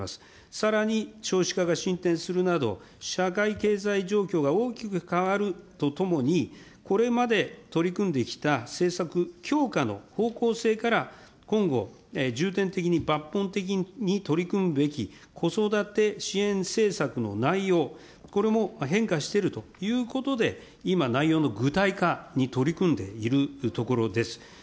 さらに少子化が進展するなど、社会経済状況が大きく変わるとともに、これまで取り組んできた政策強化の方向性から今後、重点的に抜本的に取り組むべき子育て支援政策の内容、これも変化してるということで、今、内容の具体化に取り組んでいるところです。